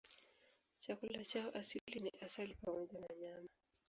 Chakula chao asili ni asali pamoja na nyama.